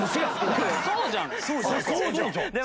そうじゃん！